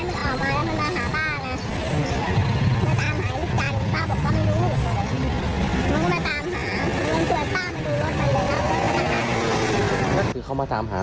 มาตามหาอาจารย์จันทร์ป้าบอกว่าไม่รู้มันก็มาตามหาแล้วมันส่วนป้ามาดูรถมันเลยแล้วเขามาตามหา